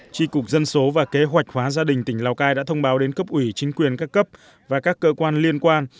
tri cục dân số và kế hoạch hóa gia đình tỉnh lào cai đã thông báo đến cấp ủy chính quyền các cấp và các cơ quan liên quan